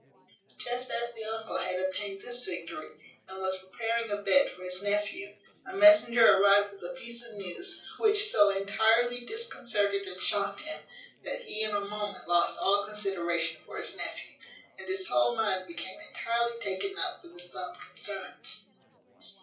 Just as the uncle had obtained this victory, and was preparing a bed for his nephew, a messenger arrived with a piece of news, which so entirely disconcerted and shocked him, that he in a moment lost all consideration for his nephew, and his whole mind became entirely taken up with his own concerns.